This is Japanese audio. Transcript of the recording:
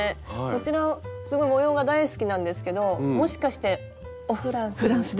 こちらすごい模様が大好きなんですけどもしかしておフランス？